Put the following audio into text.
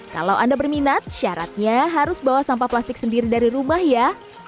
kalau anda berminat syaratnya harus bawa sampah plastik sendiri dari rumah ya